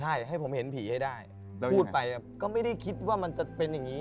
ใช่ให้ผมเห็นผีให้ได้พูดไปก็ไม่ได้คิดว่ามันจะเป็นอย่างนี้